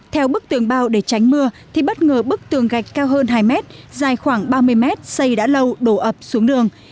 theo bức tường bao để tránh mưa thì bất ngờ bức tường gạch cao hơn hai mét dài khoảng ba mươi mét xây đã lâu đổ ập xuống đường